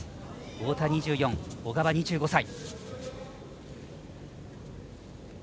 太田、２４小川、２５歳。